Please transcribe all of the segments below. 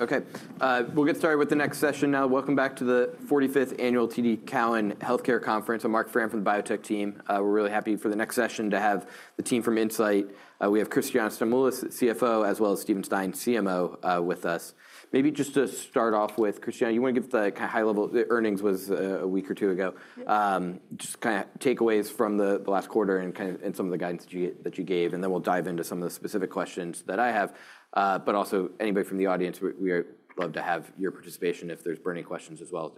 OK. We'll get started with the next session now. Welcome back to the 45th Annual TD Cowen Healthcare Conference. I'm Marc Frahm from the Biotech team. We're really happy for the next session to have the team from Incyte. We have Christiana Stamoulis, CFO, as well as Steven Stein, CMO, with us. Maybe just to start off with, Christiana, you want to give the high-level earnings was a week or two ago. Just kind of takeaways from the last quarter and some of the guidance that you gave. And then we'll dive into some of the specific questions that I have. But also, anybody from the audience, we would love to have your participation if there's burning questions as well.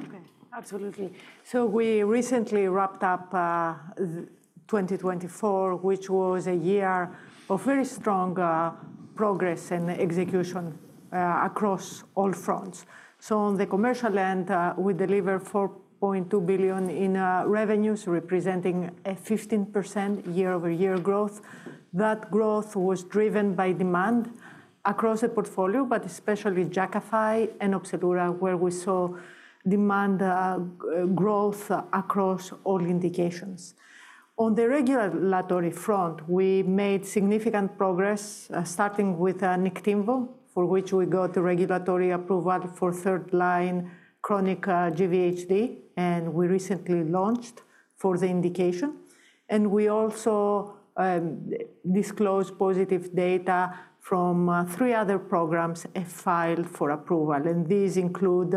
OK. Absolutely. We recently wrapped up 2024, which was a year of very strong progress and execution across all fronts. On the commercial end, we delivered $4.2 billion in revenues, representing 15% year-over-year growth. That growth was driven by demand across the portfolio, but especially Jakafi and Opzelura, where we saw demand growth across all indications. On the regulatory front, we made significant progress, starting with Niktimvo, for which we got regulatory approval for third-line chronic GVHD. We recently launched for the indication. We also disclosed positive data from three other programs filed for approval. These include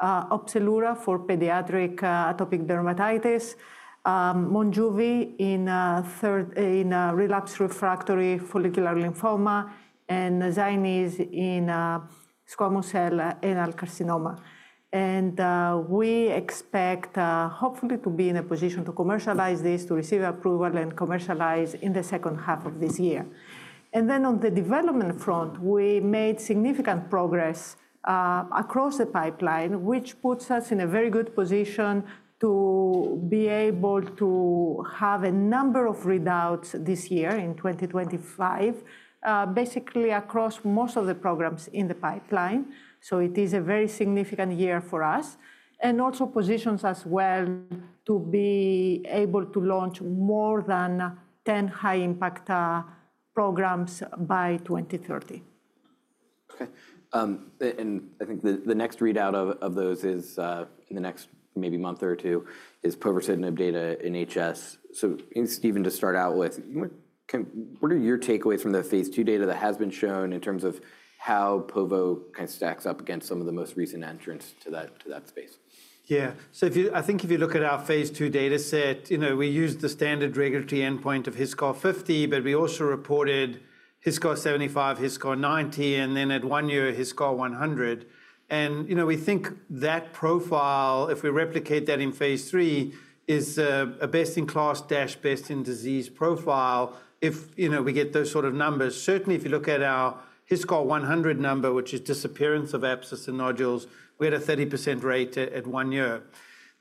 Opzelura for pediatric atopic dermatitis, Monjuvi in relapsed refractory follicular lymphoma, and Zynyz in squamous cell anal carcinoma. We expect, hopefully, to be in a position to commercialize this, to receive approval, and commercialize in the second half of this year. And then on the development front, we made significant progress across the pipeline, which puts us in a very good position to be able to have a number of readouts this year, in 2025, basically across most of the programs in the pipeline. So it is a very significant year for us, and also positions us well to be able to launch more than 10 high-impact programs by 2030. OK. And I think the next readout of those is in the next maybe month or two, Povo's data in HS. So Steven, to start out with, what are your takeaways from the phase II data that has been shown in terms of how Povo kind of stacks up against some of the most recent entrants to that space? Yeah. So I think if you look at our phase II data set, we used the standard regulatory endpoint of HiSCR 50, but we also reported HiSCR 75, HiSCR 90, and then at one year, HiSCR 100. And we think that profile, if we replicate that in phase III, is a best-in-class, best-in-disease profile if we get those sort of numbers. Certainly, if you look at our HiSCR 100 number, which is disappearance of abscess and nodules, we had a 30% rate at one year.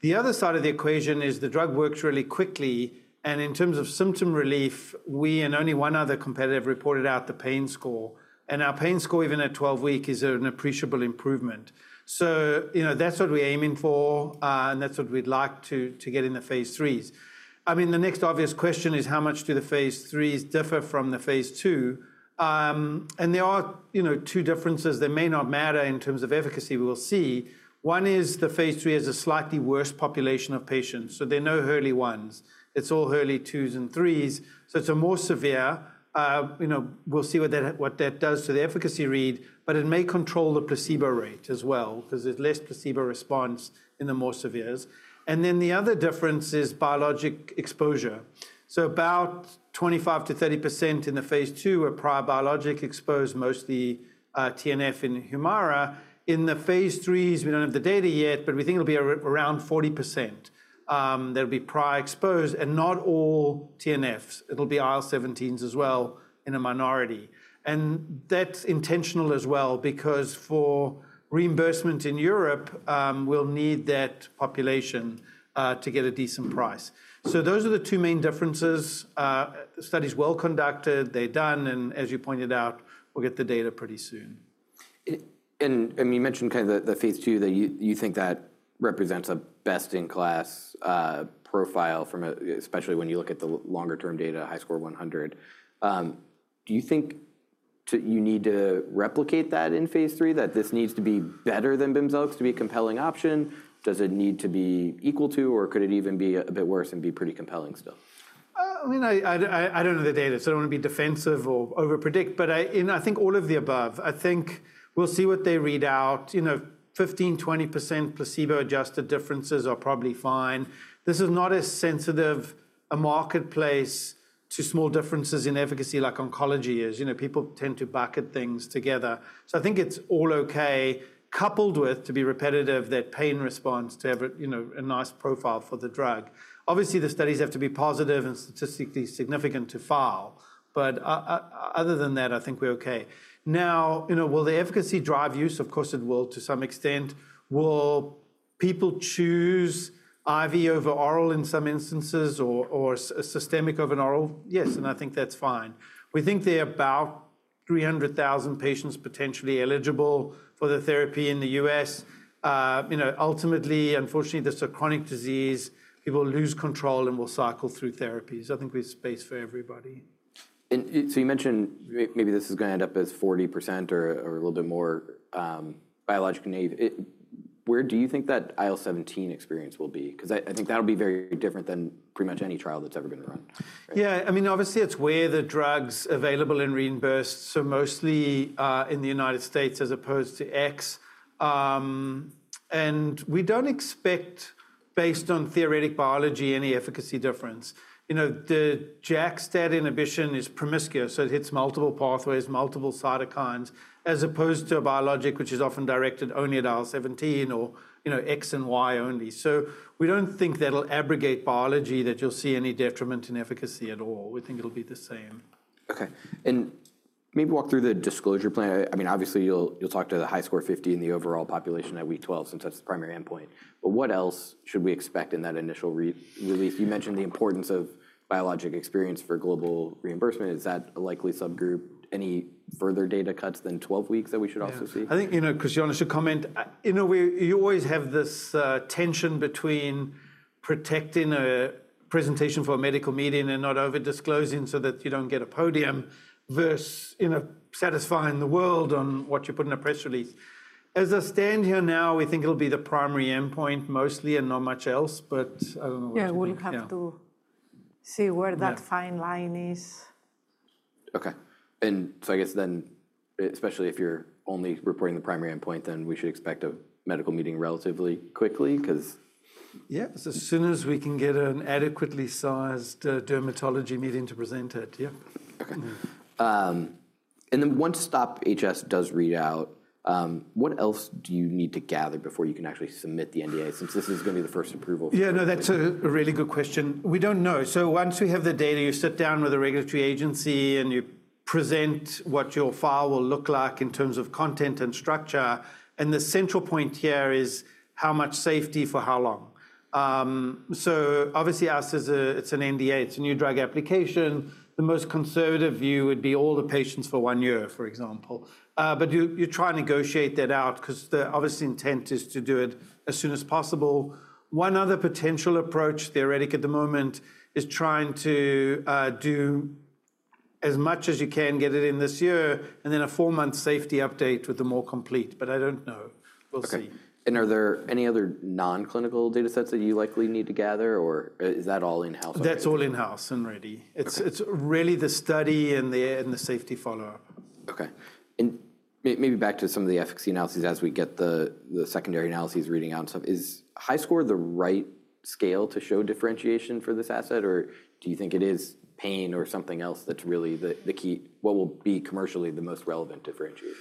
The other side of the equation is the drug works really quickly. And in terms of symptom relief, we and only one other competitor reported out the pain score. And our pain score, even at 12 weeks, is an appreciable improvement. So that's what we're aiming for, and that's what we'd like to get in the phase IIIs. I mean, the next obvious question is, how much do the phase IIIs differ from the phase II? There are two differences that may not matter in terms of efficacy we will see. One is the phase II has a slightly worse population of patients. So there are no early ones. It's all early IIs and IIIs. So it's more severe. We'll see what that does to the efficacy read. But it may control the placebo rate as well, because there's less placebo response in the more severes. The other difference is biologic exposure. So about 25%-30% in the phase II were prior biologic exposed, mostly TNF in Humira. In the phase IIIs, we don't have the data yet, but we think it'll be around 40% that will be prior exposed, and not all TNFs. It'll be IL-17s as well, in a minority. That's intentional as well, because for reimbursement in Europe, we'll need that population to get a decent price. So those are the two main differences. Studies well conducted. They're done. And as you pointed out, we'll get the data pretty soon. You mentioned kind of the phase II that you think that represents a best-in-class profile, especially when you look at the longer-term data, HiSCR 100. Do you think you need to replicate that in phase III, that this needs to be better than Bimzelx's to be a compelling option? Does it need to be equal to, or could it even be a bit worse and be pretty compelling still? I mean, I don't know the data, so I don't want to be defensive or over-predict. But I think all of the above. I think we'll see what they read out. 15%-20% placebo-adjusted differences are probably fine. This is not as sensitive a marketplace to small differences in efficacy like oncology is. People tend to bucket things together. So I think it's all OK, coupled with, to be repetitive, that pain response to have a nice profile for the drug. Obviously, the studies have to be positive and statistically significant to file. But other than that, I think we're OK. Now, will the efficacy drive use? Of course, it will to some extent. Will people choose IV over oral in some instances, or systemic over oral? Yes. And I think that's fine. We think there are about 300,000 patients potentially eligible for the therapy in the U.S. Ultimately, unfortunately, this is a chronic disease. People lose control and will cycle through therapies. I think we have space for everybody. And so you mentioned maybe this is going to end up as 40% or a little bit more biologically native. Where do you think that IL-17 experience will be? Because I think that'll be very different than pretty much any trial that's ever been run. Yeah. I mean, obviously, it's where the drug's available and reimbursed. So mostly in the United States as opposed to X. And we don't expect, based on theoretical biology, any efficacy difference. The JAK-STAT inhibition is promiscuous. So it hits multiple pathways, multiple cytokines, as opposed to a biologic which is often directed only at IL-17 or X and Y only. So we don't think that'll abrogate biology, that you'll see any detriment in efficacy at all. We think it'll be the same. OK. And maybe walk through the disclosure plan. I mean, obviously, you'll talk to the HiSCR 50 in the overall population at week 12, since that's the primary endpoint. But what else should we expect in that initial release? You mentioned the importance of biologic experience for global reimbursement. Is that a likely subgroup? Any further data cuts than 12 weeks that we should also see? I think Christiana should comment. You always have this tension between protecting a presentation for a medical meeting and not over-disclosing so that you don't get a podium versus satisfying the world on what you put in a press release. As I stand here now, we think it'll be the primary endpoint mostly and not much else. But I don't know. Yeah. We'll have to see where that fine line is. OK. And so I guess then, especially if you're only reporting the primary endpoint, then we should expect a medical meeting relatively quickly, because. Yeah. As soon as we can get an adequately sized dermatology meeting to present it. Yeah. OK, and then once STOP-HS does read out, what else do you need to gather before you can actually submit the NDA, since this is going to be the first approval? Yeah. No, that's a really good question. We don't know. So once we have the data, you sit down with a regulatory agency, and you present what your file will look like in terms of content and structure. And the central point here is how much safety for how long. So obviously, as it's an NDA, it's a new drug application. The most conservative view would be all the patients for one year, for example. But you try and negotiate that out, because the obvious intent is to do it as soon as possible. One other potential approach, theoretical at the moment, is trying to do as much as you can get it in this year, and then a four-month safety update with the more complete. But I don't know. We'll see. Are there any other non-clinical data sets that you likely need to gather, or is that all in-house? That's all in-house and ready. It's really the study and the safety follow-up. OK. Maybe back to some of the efficacy analyses as we get the secondary analyses reading out and stuff. Is HiSCR the right scale to show differentiation for this asset, or do you think it is pain or something else that's really the key? What will be commercially the most relevant differentiation?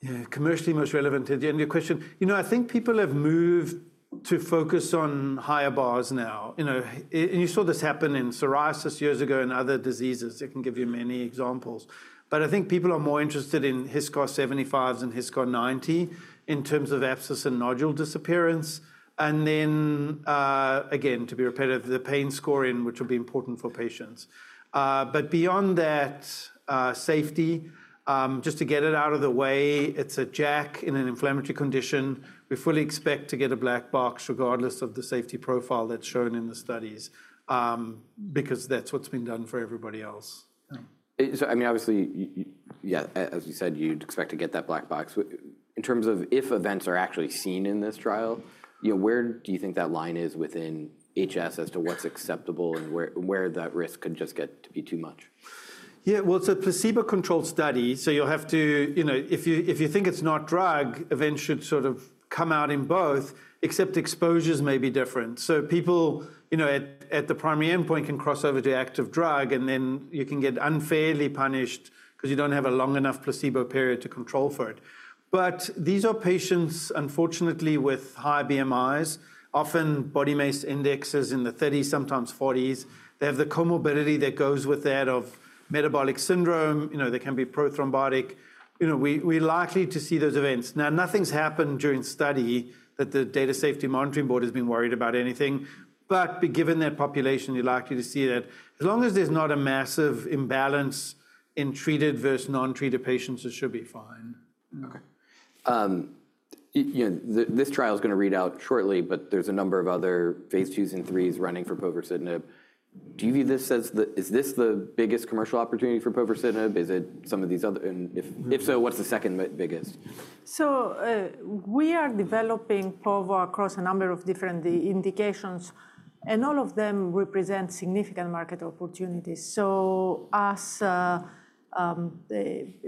Yeah. Commercially most relevant to the end of your question. You know, I think people have moved to focus on higher bars now. And you saw this happen in psoriasis years ago and other diseases. I can give you many examples. But I think people are more interested in HiSCR 75s and HiSCR 90 in terms of abscess and nodule disappearance. And then, again, to be repetitive, the pain scoring, which will be important for patients. But beyond that, safety, just to get it out of the way, it's a JAK in an inflammatory condition. We fully expect to get a black box, regardless of the safety profile that's shown in the studies, because that's what's been done for everybody else. I mean, obviously, yeah, as you said, you'd expect to get that black box. In terms of if events are actually seen in this trial, where do you think that line is within HS as to what's acceptable and where that risk could just get to be too much? Yeah. Well, it's a placebo-controlled study. So you'll have to, if you think it's not drug, events should sort of come out in both, except exposures may be different. So people at the primary endpoint can cross over to active drug, and then you can get unfairly punished because you don't have a long enough placebo period to control for it. But these are patients, unfortunately, with high BMIs, often body mass indexes in the 30s, sometimes 40s. They have the comorbidity that goes with that of metabolic syndrome. They can be prothrombotic. We're likely to see those events. Now, nothing's happened during the study that the Data Safety Monitoring Board has been worried about anything. But given that population, you're likely to see that. As long as there's not a massive imbalance in treated versus non-treated patients, it should be fine. OK. This trial is going to read out shortly, but there's a number of other phase IIs and IIIs running for povorcitinib. Do you view this as the biggest commercial opportunity for povorcitinib? Is it some of these other? And if so, what's the second biggest? We are developing povorcitinib across a number of different indications. All of them represent significant market opportunities. As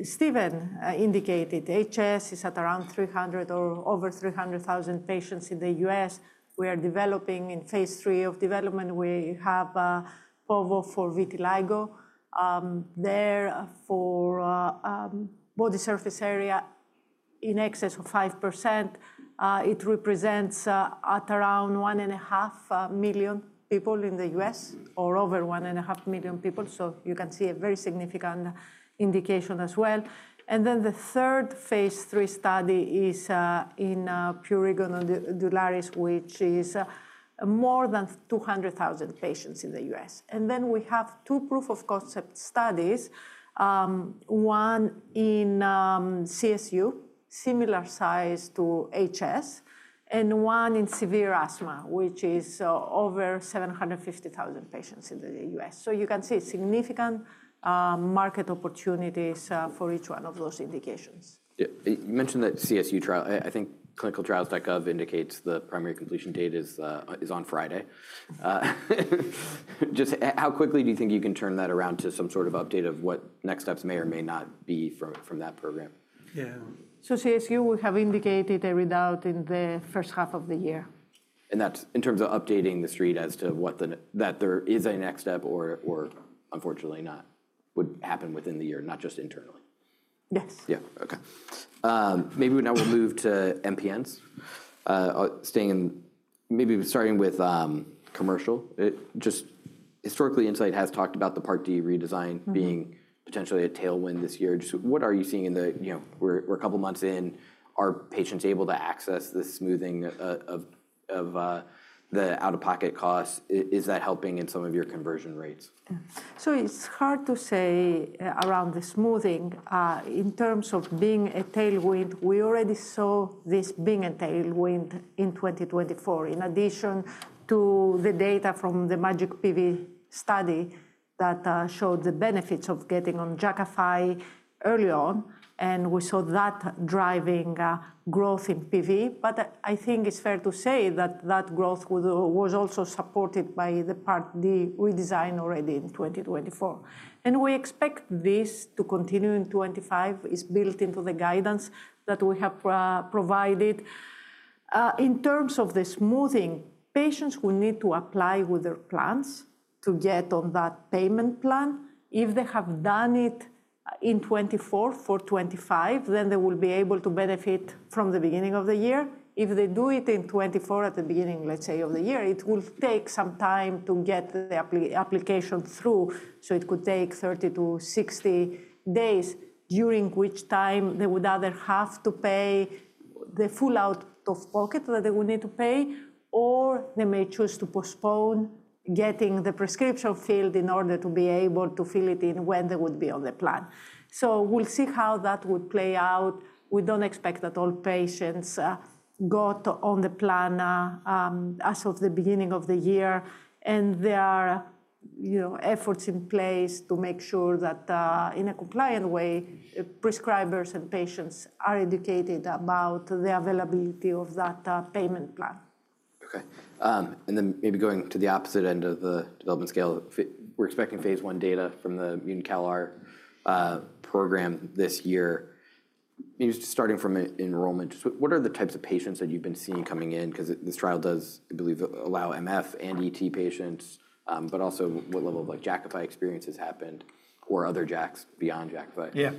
Steven indicated, HS is at around 300,000 or over 300,000 patients in the U.S. We are developing in phase III of development. We have povorcitinib for vitiligo. There, for body surface area in excess of 5%, it represents around 1.5 million people in the U.S., or over 1.5 million people. You can see a very significant indication as well. Then the third phase III study is in prurigo nodularis, which is more than 200,000 patients in the U.S. Then we have two proof-of-concept studies. One in CSU, similar size to HS, and one in severe asthma, which is over 750,000 patients in the U.S. You can see significant market opportunities for each one of those indications. You mentioned that CSU trial. I think clinicaltrials.gov indicates the primary completion date is on Friday. Just how quickly do you think you can turn that around to some sort of update of what next steps may or may not be from that program? Yeah. So CSU, we have indicated a readout in the first half of the year. That's in terms of updating the Street as to whether there is a next step, or unfortunately not would happen within the year, not just internally? Yes. Yeah. OK. Maybe now we'll move to MPNs. Staying in, maybe starting with commercial. Just historically, Incyte has talked about the Part D redesign being potentially a tailwind this year. Just what are you seeing? We're a couple of months in. Are patients able to access the smoothing of the out-of-pocket costs? Is that helping in some of your conversion rates? It's hard to say around the smoothing. In terms of being a tailwind, we already saw this being a tailwind in 2024, in addition to the data from the MAJIC-PV study that showed the benefits of getting on Jakafi early on. And we saw that driving growth in PV. But I think it's fair to say that that growth was also supported by the Part D redesign already in 2024. And we expect this to continue in 2025. It's built into the guidance that we have provided. In terms of the smoothing, patients will need to apply with their plans to get on that payment plan. If they have done it in 2024 for 2025, then they will be able to benefit from the beginning of the year. If they do it in 2024 at the beginning, let's say, of the year, it will take some time to get the application through. So it could take 30 to 60 days, during which time they would either have to pay the full out of pocket that they will need to pay, or they may choose to postpone getting the prescription filled in order to be able to fill it in when they would be on the plan. So we'll see how that would play out. We don't expect that all patients got on the plan as of the beginning of the year. And there are efforts in place to make sure that, in a compliant way, prescribers and patients are educated about the availability of that payment plan. OK, and then maybe going to the opposite end of the development scale, we're expecting phase I data from the mutant CALR program this year. Just starting from enrollment, what are the types of patients that you've been seeing coming in? Because this trial does, I believe, allow MF and ET patients, but also what level of Jakafi experience has happened, or other JAKs beyond Jakafi? Yeah.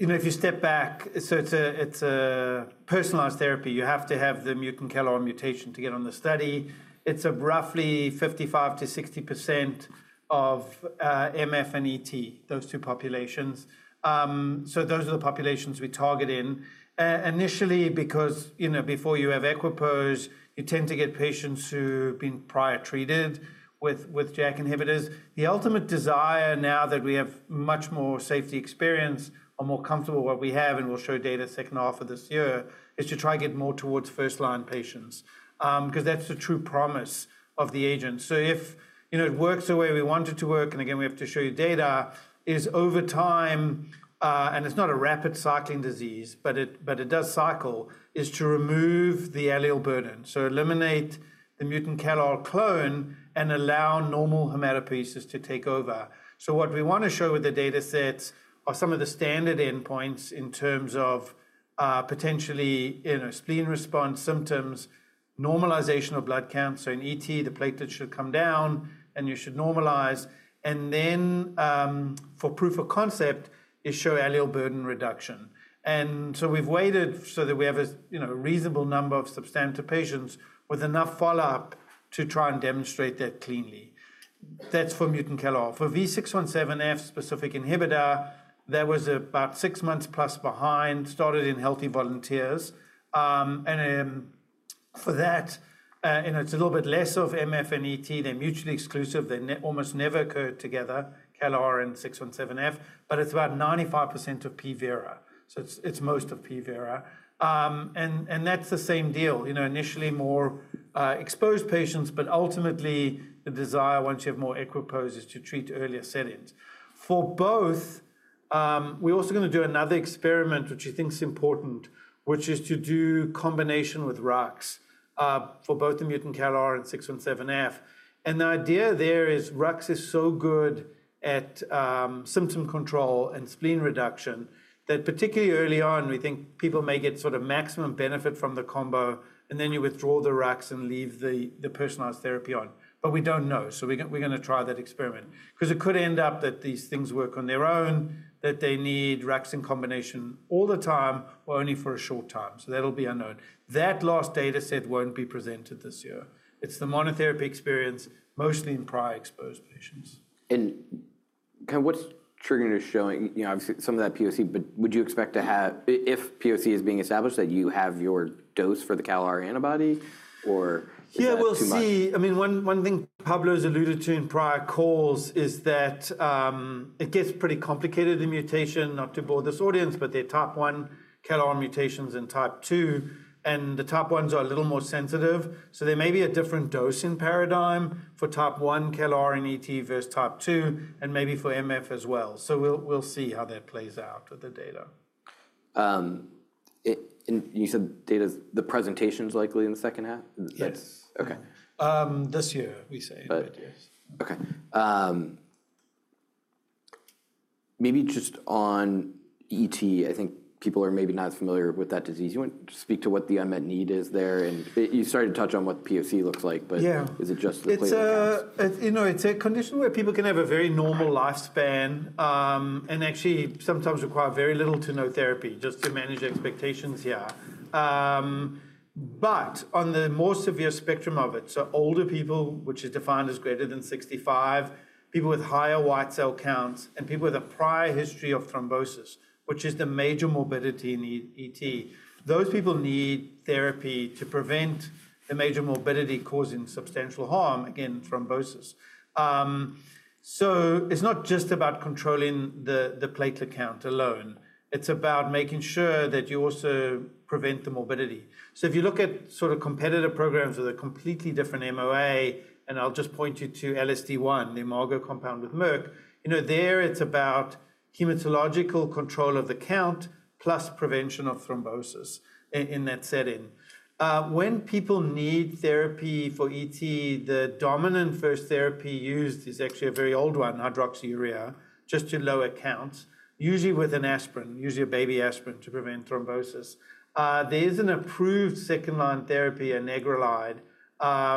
So if you step back, so it's a personalized therapy. You have to have the mutant CALR mutation to get on the study. It's roughly 55%-60% of MF and ET, those two populations. So those are the populations we target in. Initially, because before you have equipoise, you tend to get patients who have been prior treated with JAK inhibitors. The ultimate desire now that we have much more safety experience, are more comfortable with what we have, and we'll show data second half of this year, is to try to get more towards first-line patients, because that's the true promise of the agent. So if it works the way we want it to work, and again, we have to show you data, is over time (and it's not a rapid cycling disease, but it does cycle) is to remove the allele burden, so eliminate the mutant CALR clone, and allow normal hematopoiesis to take over. So what we want to show with the data sets are some of the standard endpoints in terms of potentially spleen response symptoms, normalization of blood counts. So in ET, the platelets should come down, and you should normalize. And then for proof of concept, is show allele burden reduction. And so we've waited so that we have a reasonable number of substantive patients with enough follow-up to try and demonstrate that cleanly. That's for mutant CALR. For V617F specific inhibitor, that was about six months plus behind, started in healthy volunteers. For that, it's a little bit less of MF and ET. They're mutually exclusive. They almost never occur together, CALR and V617F. But it's about 95% of PV. So it's most of PV. That's the same deal. Initially, more exposed patients, but ultimately, the desire, once you have more equipoise, is to treat earlier settings. For both, we're also going to do another experiment, which we think is important, which is to do combination with RUX for both the mutant CALR and V617F. The idea there is RUX is so good at symptom control and spleen reduction that particularly early on, we think people may get sort of maximum benefit from the combo, and then you withdraw the RUX and leave the personalized therapy on. But we don't know. So we're going to try that experiment, because it could end up that these things work on their own, that they need RUX in combination all the time, or only for a short time. So that'll be unknown. That last data set won't be presented this year. It's the monotherapy experience, mostly in prior exposed patients. What's triggering or showing? Obviously, some of that POC, but would you expect to have, if POC is being established, that you have your dose for the CALR antibody, or is that too much? Yeah. We'll see. I mean, one thing Pablo has alluded to in prior calls is that it gets pretty complicated, the mutation, not to bore this audience, but they're type I CALR mutations and type II. And the type I's are a little more sensitive. So there may be a different dose in paradigm for type I CALR and ET versus type II, and maybe for MF as well. So we'll see how that plays out with the data. You said the presentation's likely in the second half? Yes. OK. This year, we say. OK. Maybe just on ET, I think people are maybe not as familiar with that disease. You want to speak to what the unmet need is there? And you started to touch on what POC looks like, but is it just the platelet? Yeah. It's a condition where people can have a very normal lifespan and actually sometimes require very little to no therapy, just to manage expectations here. But on the more severe spectrum of it, so older people, which is defined as greater than 65, people with higher white cell counts, and people with a prior history of thrombosis, which is the major morbidity in ET, those people need therapy to prevent the major morbidity causing substantial harm, again, thrombosis. So it's not just about controlling the platelet count alone. It's about making sure that you also prevent the morbidity. So if you look at sort of competitor programs with a completely different MOA, and I'll just point you to LSD1, the Imago compound with Merck, there it's about hematological control of the count, plus prevention of thrombosis in that setting. When people need therapy for ET, the dominant first therapy used is actually a very old one, hydroxyurea, just to lower counts, usually with an aspirin, usually a baby aspirin, to prevent thrombosis. There is an approved second-line therapy, anagrelide,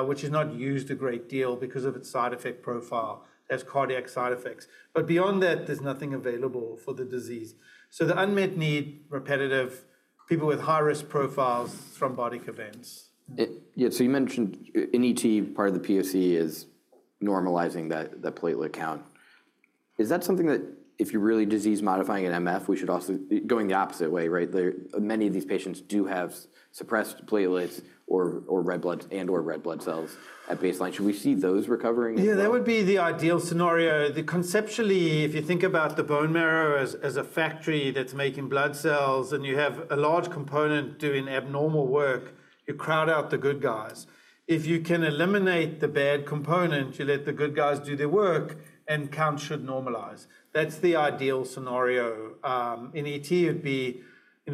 which is not used a great deal because of its side effect profile. It has cardiac side effects. But beyond that, there's nothing available for the disease. So the unmet need, repetitive, people with high-risk profiles, thrombotic events. Yeah. So you mentioned in ET, part of the POC is normalizing that platelet count. Is that something that if you're really disease-modifying in MF, we should also go in the opposite way, right? Many of these patients do have suppressed platelets or red blood and/or red blood cells at baseline. Should we see those recovering? Yeah. That would be the ideal scenario. Conceptually, if you think about the bone marrow as a factory that's making blood cells, and you have a large component doing abnormal work, you crowd out the good guys. If you can eliminate the bad component, you let the good guys do their work, and counts should normalize. That's the ideal scenario. In ET, it would be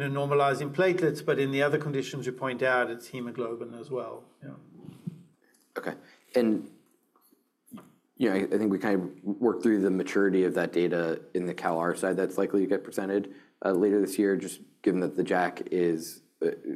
normalizing platelets. But in the other conditions you point out, it's hemoglobin as well. OK. And I think we kind of worked through the maturity of that data in the CALR side. That's likely to get presented later this year, just given that the JAK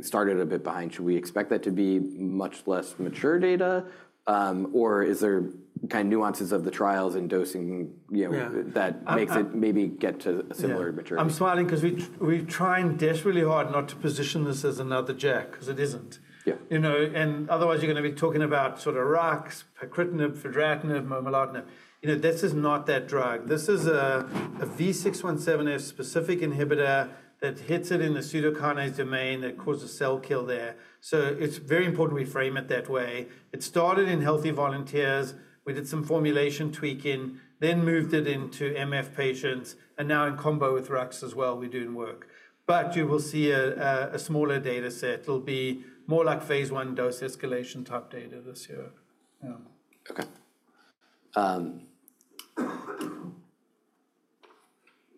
started a bit behind. Should we expect that to be much less mature data? Or is there kind of nuances of the trials and dosing that makes it maybe get to a similar maturity? I'm smiling because we're trying desperately hard not to position this as another JAK, because it isn't, and otherwise you're going to be talking about sort of RUX, pacritinib, fedratinib, momelotinib. This is not that drug. This is a V617F specific inhibitor that hits it in the pseudokinase domain that causes cell kill there. So it's very important we frame it that way. It started in healthy volunteers. We did some formulation tweaking, then moved it into MF patients, and now in combo with RUX as well, we're doing work, but you will see a smaller data set. It'll be more like phase I dose escalation type data this year. OK.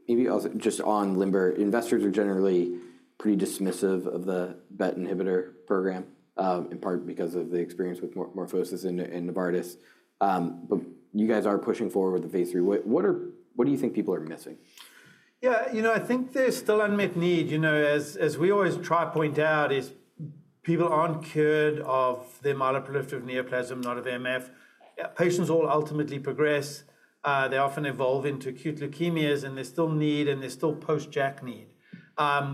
Maybe just on the MPN, investors are generally pretty dismissive of the BET inhibitor program, in part because of the experience with MorphoSys and Novartis. But you guys are pushing forward with the phase III. What do you think people are missing? Yeah. You know, I think there's still unmet need. As we always try to point out, people aren't cured of their myeloproliferative neoplasm, not of MF. Patients all ultimately progress. They often evolve into acute leukemias, and there's still need, and there's still post-JAK need.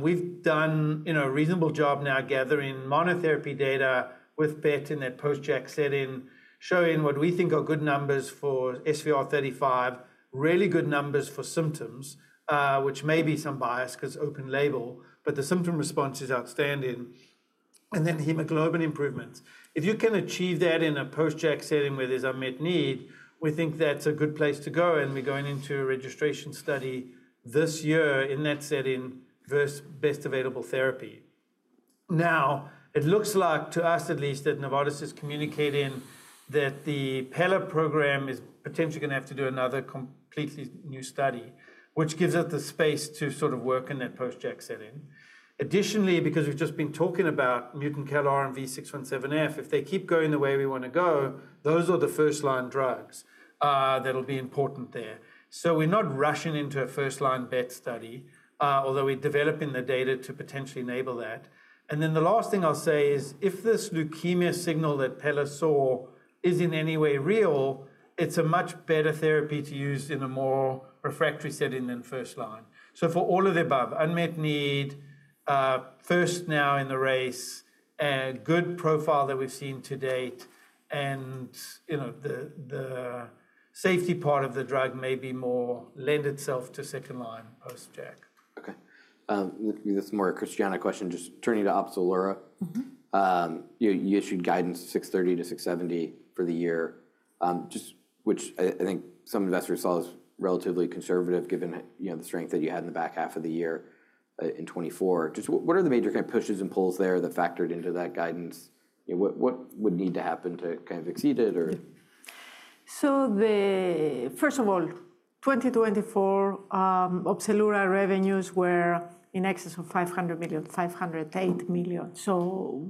We've done a reasonable job now gathering monotherapy data with BET in that post-JAK setting, showing what we think are good numbers for SVR35, really good numbers for symptoms, which may be some bias because open label, but the symptom response is outstanding. And then hemoglobin improvements. If you can achieve that in a post-JAK setting where there's unmet need, we think that's a good place to go. And we're going into a registration study this year in that setting versus best available therapy. Now, it looks like, to us at least, that Novartis is communicating that the pelabresib program is potentially going to have to do another completely new study, which gives us the space to sort of work in that post-JAK setting. Additionally, because we've just been talking about mutant CALR and V617F, if they keep going the way we want to go, those are the first-line drugs that'll be important there. So we're not rushing into a first-line BET study, although we're developing the data to potentially enable that. And then the last thing I'll say is, if this leukemia signal that pelabresib saw is in any way real, it's a much better therapy to use in a more refractory setting than first-line. So for all of the above, unmet need, first now in the race, good profile that we've seen to date, and the safety part of the drug maybe more lend itself to second-line post-JAK. Okay. This is more a Christiana question, just turning to Opzelura. You issued guidance $630 million-$670 million for the year, which I think some investors saw as relatively conservative, given the strength that you had in the back half of the year in 2024. Just what are the major kind of pushes and pulls there that factored into that guidance? What would need to happen to kind of exceed it? So first of all, 2024, Opzelura revenues were in excess of $500 million, $508 million. So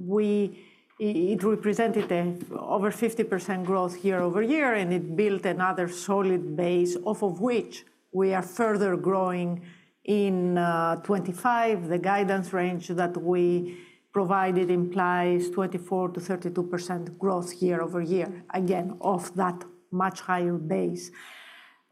it represented over 50% growth year over year, and it built another solid base, off of which we are further growing in 2025. The guidance range that we provided implies 24%-32% growth year over year, again, off that much higher base.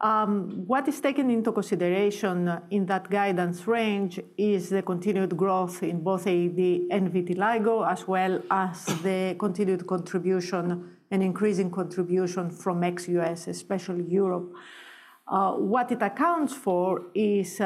What is taken into consideration in that guidance range is the continued growth in both AD and vitiligo, as well as the continued contribution and increasing contribution from ex-U.S., especially Europe. What it accounts for is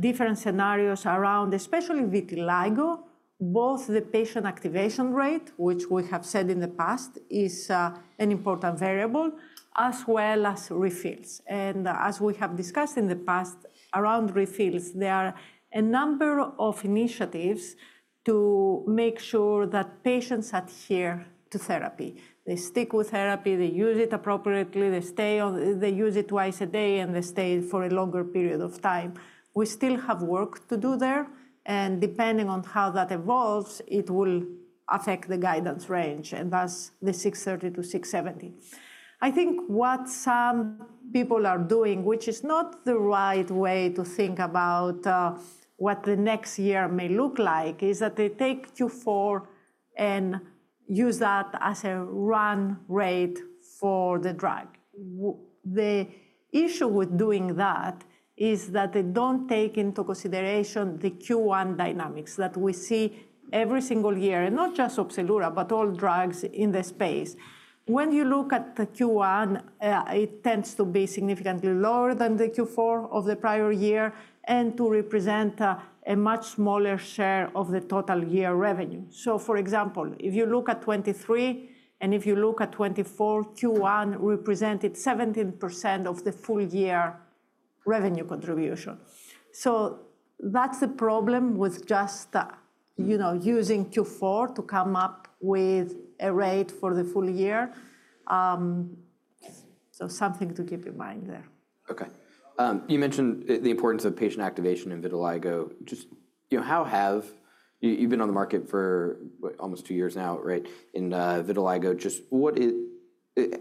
different scenarios around, especially vitiligo, both the patient activation rate, which we have said in the past is an important variable, as well as refills. And as we have discussed in the past around refills, there are a number of initiatives to make sure that patients adhere to therapy. They stick with therapy. They use it appropriately. They use it twice a day, and they stay for a longer period of time. We still have work to do there, and depending on how that evolves, it will affect the guidance range, and thus the $630 million-$670 million. I think what some people are doing, which is not the right way to think about what the next year may look like, is that they take Q4 and use that as a run rate for the drug. The issue with doing that is that they don't take into consideration the Q1 dynamics that we see every single year, and not just Opzelura, but all drugs in the space. When you look at the Q1, it tends to be significantly lower than the Q4 of the prior year and to represent a much smaller share of the total year revenue. So for example, if you look at 2023, and if you look at 2024, Q1 represented 17% of the full year revenue contribution. So that's the problem with just using Q4 to come up with a rate for the full year. So something to keep in mind there. OK. You mentioned the importance of patient activation in vitiligo. Just how have you been on the market for almost two years now, right, in vitiligo? Just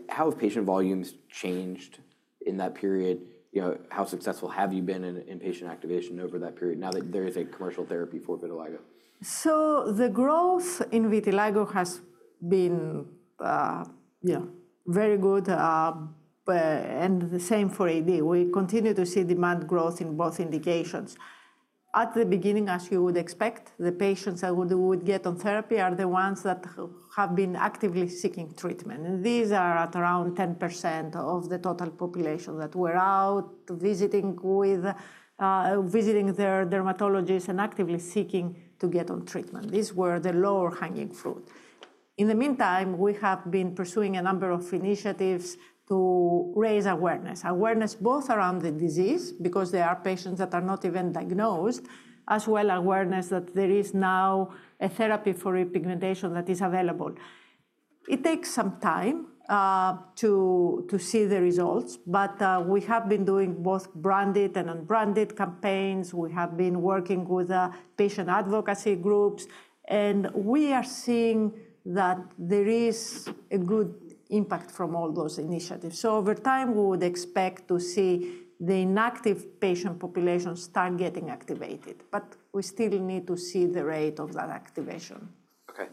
how have patient volumes changed in that period? How successful have you been in patient activation over that period now that there is a commercial therapy for vitiligo? So the growth in vitiligo has been very good, and the same for AD. We continue to see demand growth in both indications. At the beginning, as you would expect, the patients that would get on therapy are the ones that have been actively seeking treatment. And these are at around 10% of the total population that were out visiting their dermatologists and actively seeking to get on treatment. These were the low-hanging fruit. In the meantime, we have been pursuing a number of initiatives to raise awareness, awareness both around the disease, because there are patients that are not even diagnosed, as well as awareness that there is now a therapy for repigmentation that is available. It takes some time to see the results, but we have been doing both branded and unbranded campaigns. We have been working with patient advocacy groups. We are seeing that there is a good impact from all those initiatives. Over time, we would expect to see the inactive patient populations start getting activated. We still need to see the rate of that activation. OK.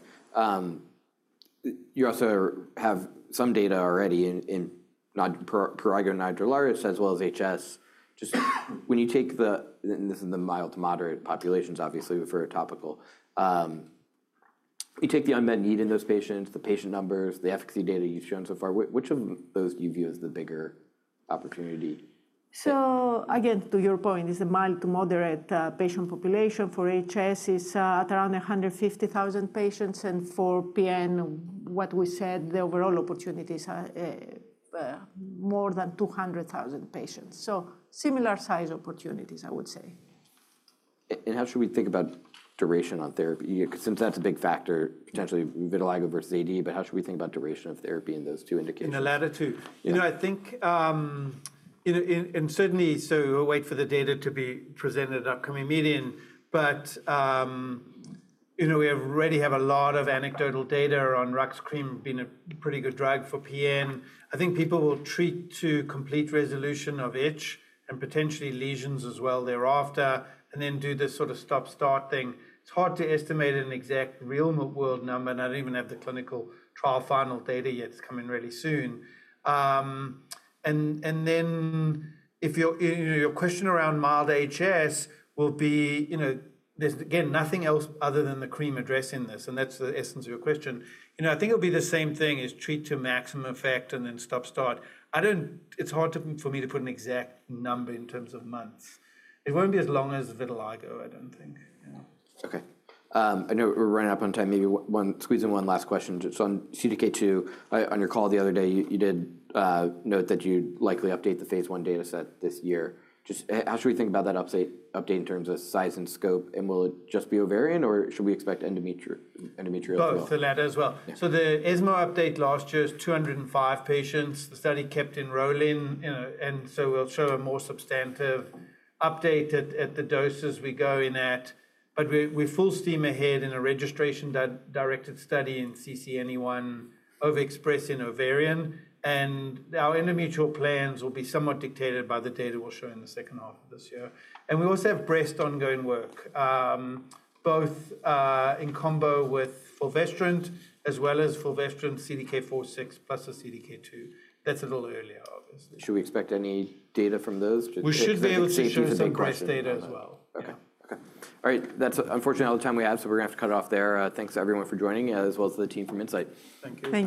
You also have some data already in prurigo and vitiligo, as well as HS. Just when you take the mild to moderate populations, obviously, for a topical, you take the unmet need in those patients, the patient numbers, the efficacy data you've shown so far, which of those do you view as the bigger opportunity? So again, to your point, it's a mild to moderate patient population. For HS, it's at around 150,000 patients. And for PN, what we said, the overall opportunity is more than 200,000 patients. So similar size opportunities, I would say. How should we think about duration on therapy? Since that's a big factor, potentially vitiligo versus AD, but how should we think about duration of therapy in those two indications? In the latter two. I think, certainly, so we'll wait for the data to be presented at upcoming meeting. But we already have a lot of anecdotal data on RUX cream being a pretty good drug for PN. I think people will treat to complete resolution of itch and potentially lesions as well thereafter, and then do this sort of stop-start thing. It's hard to estimate an exact real-world number. And I don't even have the clinical trial final data yet. It's coming really soon. And then if your question around mild HS will be, again, nothing else other than the cream addressing this, and that's the essence of your question, I think it'll be the same thing as treat to maximum effect and then stop-start. It's hard for me to put an exact number in terms of months. It won't be as long as vitiligo, I don't think. OK. I know we're running up on time. Maybe squeeze in one last question. So on CDK2, on your call the other day, you did note that you'd likely update the phase I data set this year. Just how should we think about that update in terms of size and scope? And will it just be ovarian, or should we expect endometrial as well? Both the latter as well, so the ESMO update last year is 205 patients. The study kept enrolling, and so we'll show a more substantive update at the doses we go in at, but we're full steam ahead in a registration-directed study in CCNE1, overexpressed in ovarian. And our endometrial plans will be somewhat dictated by the data we'll show in the second half of this year, and we also have breast ongoing work, both in combo with fulvestrant, as well as fulvestrant, CDK4/6, plus the CDK2. That's a little earlier, obviously. Should we expect any data from those? We should be able to see some breast data as well. OK. All right. That's unfortunately all the time we have, so we're going to have to cut it off there. Thanks to everyone for joining, as well as the team from Incyte. Thank you.